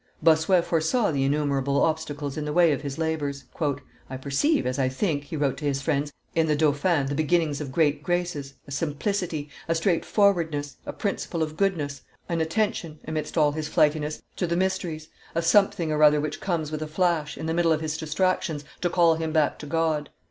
Bossuet foresaw the innumerable obstacles in the way of his labors. "I perceive, as I think," he wrote to his friends, "in the dauphin the beginnings of great graces, a simplicity, a straightforwardness, a principle of goodness, an attention, amidst all his flightiness, to the mysteries, a something or other which comes with a flash, in the middle of his distractions, to call him back to God.